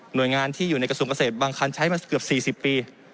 โดยงานที่อยู่ในกระทรวงเกษตรบางคันใช้มาเกือบ๔๐ปี